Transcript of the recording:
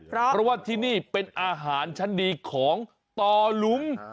เพราะว่าที่นี่เป็นอาหารชั้นดีของต่อหลุม